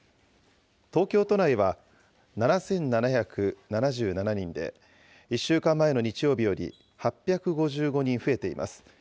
東京都内は７７７７人で、１週間前の日曜日より８５５人増えています。